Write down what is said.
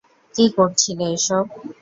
কী করছিলে এসব?